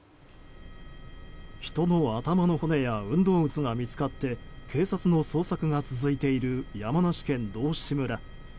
人の頭の骨や運動靴が見つかって警察の捜索が続いている山梨県道志村。